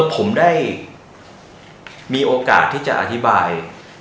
ผมได้มีโอกาสที่จะอธิบาย